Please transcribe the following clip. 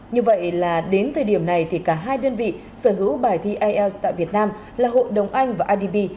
như vậy là đến thời điểm này thì cả hai đơn vị sở hữu bài thi ielts tại việt nam là hội đồng anh và idb